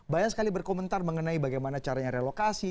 banyak sekali berkomentar mengenai bagaimana caranya relokasi